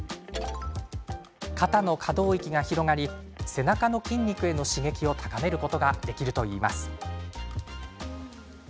肩の可動域が広がり背中の筋肉への刺激を高めることができるといいます。